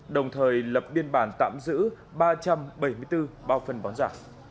đồng thời lập biên bản tạm giữ ba trăm bảy mươi bốn bao phân bón giả